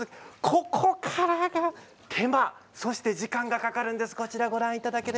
ここからが手間そして時間がかかるんです。